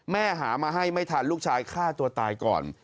หามาให้ไม่ทันลูกชายฆ่าตัวตายก่อน